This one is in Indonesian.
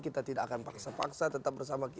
kita tidak akan paksa paksa tetap bersama kita